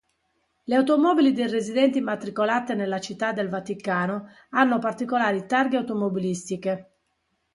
Le automobili dei residenti, immatricolate nella Città del Vaticano, hanno particolari targhe automobilistiche.